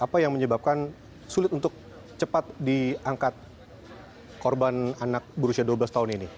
apa yang menyebabkan sulit untuk cepat diangkat korban anak berusia dua belas tahun ini